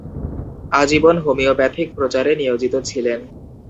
আজীবন হোমিওপ্যাথিক প্রচারে নিয়োজিত ছিলেন।